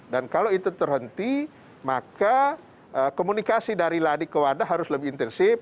dan kalau itu terhenti maka komunikasi dari ladik ke wadah harus lebih intensif